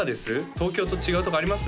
東京と違うとこあります？